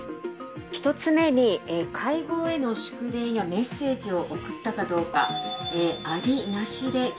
１つ目に、会合への祝電やメッセージを送ったかどうか。